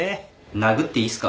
殴っていいっすか？